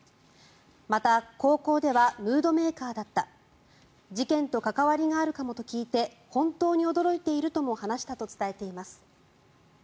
また、高校ではムードメーカーだった事件と関わりがあるかもと聞いて本当に驚いているとも話していると伝えています。